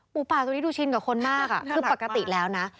ป่าตัวนี้ดูชินกับคนมากคือปกติแล้วนะ